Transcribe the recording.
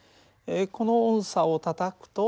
このおんさをたたくと。